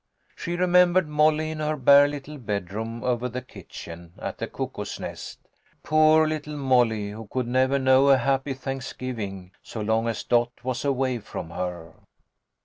She remembered Molly in her bare little bedroom over the kitchen, at the Cuckoo's Nest. Poor little Molly, who could never know a happy Thanksgiving so long as Dot was away from her